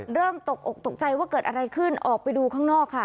ตกอกตกใจว่าเกิดอะไรขึ้นออกไปดูข้างนอกค่ะ